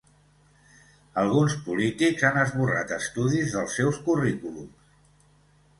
Alguns polítics han esborrat estudis dels seus currículums